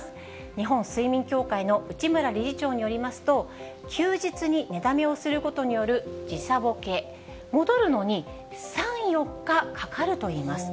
日本睡眠協会の内村理事長によりますと、休日に寝だめをすることによる時差ボケ、戻るのに３、４日かかるといいます。